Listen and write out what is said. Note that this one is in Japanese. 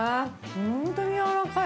本当に柔らかい。